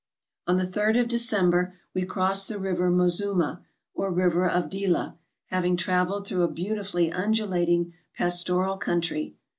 On the third of December we crossed the river Mozuma, or river of Dila, having traveled through a beautifully undu lating pastoral country.